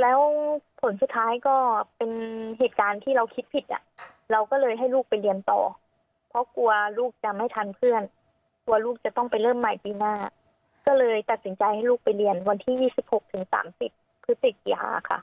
แล้วผลสุดท้ายก็เป็นเหตุการณ์ที่เราคิดผิดอ่ะเราก็เลยให้ลูกไปเรียนต่อเพราะกลัวลูกจะไม่ทันเพื่อนกลัวลูกจะต้องไปเริ่มใหม่ปีหน้าก็เลยตัดสินใจให้ลูกไปเรียนวันที่๒๖๓๐พฤศจิกาค่ะ